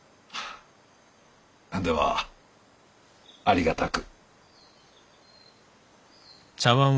ではありがたく。